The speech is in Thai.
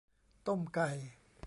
ต้มไก่